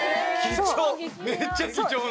めっちゃ貴重な。